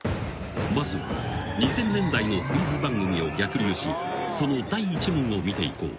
［まずは２０００年代のクイズ番組を逆流しその第１問を見ていこう］